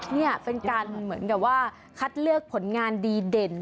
นี่เป็นการเหมือนกับว่าคัดเลือกผลงานดีเด่น